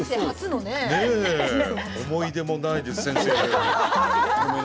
思い出もないですし。